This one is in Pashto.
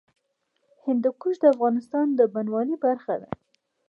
هندوکش د افغانستان د بڼوالۍ برخه ده.